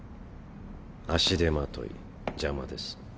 足手まとい邪魔です。